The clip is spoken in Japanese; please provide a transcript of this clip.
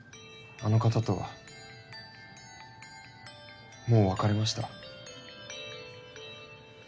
あの方とはもう別れました。